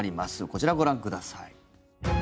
こちらをご覧ください。